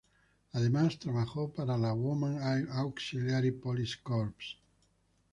Además, trabajó para el Women's Auxiliary Police Corps.